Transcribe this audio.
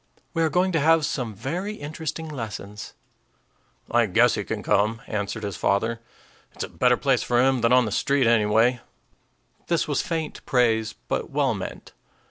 We are going to have some very interesting lessons." "I guess he can come," answered his father. "It's a better place for him than on the street, anyway." This was faint praise, but well meant.